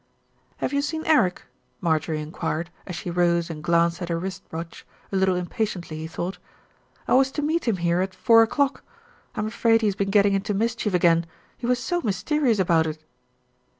"Have you seen Eric?" Marjorie enquired, as she rose and glanced at her wrist watch, a little impatiently he thought. "I was to meet him here at four o'clock. I'm afraid he has been getting into mischief again, he was so mysterious about it."